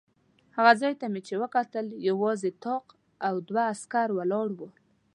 هغه ځای ته چې مې وکتل یوازې طاق او دوه عسکر ولاړ و.